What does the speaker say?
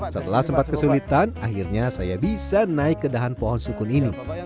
setelah sempat kesulitan akhirnya saya bisa naik ke dahan pohon sukun ini